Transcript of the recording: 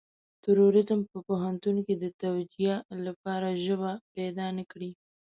تروريزم په پوهنتون کې د توجيه لپاره ژبه پيدا نه کړي.